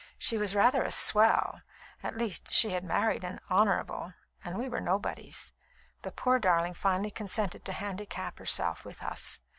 She was rather a 'swell' at least, she had married an 'Honourable,' and we were nobodies. The poor darling finally consented to handicap herself with us.